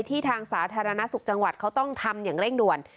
ทางสาธารณสุขจังหวัดเขาต้องทำอย่างเร่งด่วน